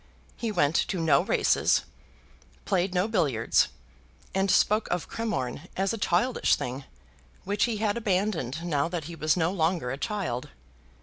He went to no races, played no billiards, and spoke of Cremorne as a childish thing, which he had abandoned now that he was no longer a child.